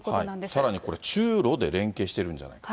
さらにこれ、中ロで連携してるんじゃないか。